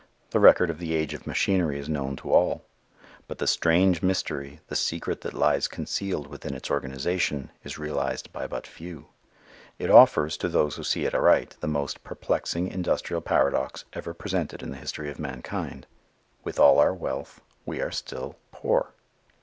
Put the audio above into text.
The record of the age of machinery is known to all. But the strange mystery, the secret that lies concealed within its organization, is realized by but few. It offers, to those who see it aright, the most perplexing industrial paradox ever presented in the history of mankind. With all our wealth, we are still poor.